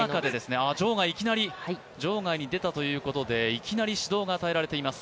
いきなり場外に出たということでいきなり指導が与えられています。